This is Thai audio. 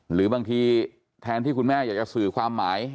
หรือบางทีแทนที่คุณแม่อยากจะสื่อความหมาย